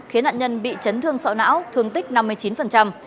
khiến nạn nhân bị chấn thương sọ não thương tích năm mươi chín